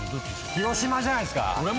広島じゃないっすか。